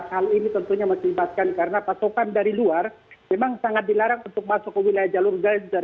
hal ini tentunya menyebabkan karena pasokan dari luar memang sangat dilarang untuk masuk ke wilayah jalur gaza